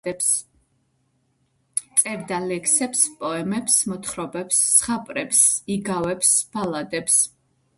წერდა ლექსებს, პოემებს, მოთხრობებს, ზღაპრებს, იგავებს, ბალადებს.